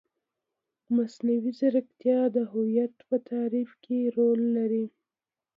مصنوعي ځیرکتیا د هویت په تعریف کې رول لري.